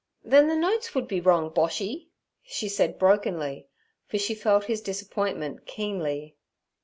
'Then the notes would be wrong, Boshy' she said brokenly, for she felt his disappointment keenly.